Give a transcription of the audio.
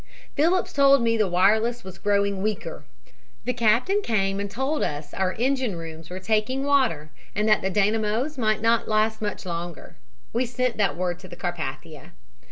"Phillips told me the wireless was growing weaker. The captain came and told us our engine rooms were taking water and that the dynamos might not last much longer. We sent that word to the Carpathia.